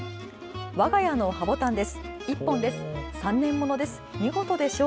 わが家の葉ボタンです。